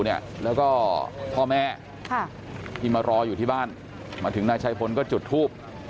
แล้วก็พ่อแม่ที่มารออยู่ที่บ้านมาถึงนายชัยพลก็จุดทูบ